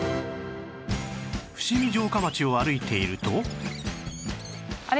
伏見城下町を歩いていると